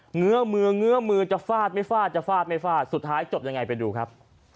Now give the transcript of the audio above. เงื้อมือเงื้อมือจะฟาดไม่ฟาดจะฟาดไม่ฟาดสุดท้ายจบยังไงไปดูครับ